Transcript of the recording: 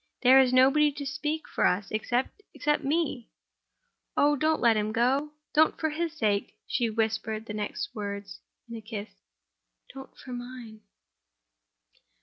There is nobody to speak for us, except—except me. Oh, don't let him go! Don't for his sake—" she whispered the next words in a kiss—"Don't for Mine!"